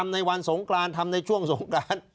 ในวันสงกรานทำในช่วงสงกราน